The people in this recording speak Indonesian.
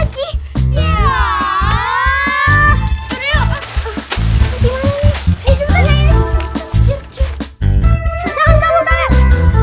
jangan takut aja